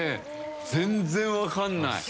全然分からない。